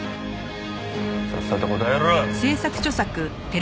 さっさと答えろ。